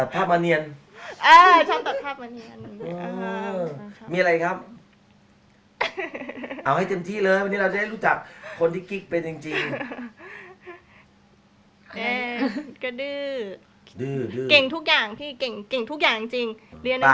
เพราะให้มันดูดีนะ